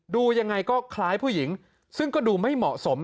ดูยังไงก็คล้ายผู้หญิงซึ่งก็ดูไม่เหมาะสม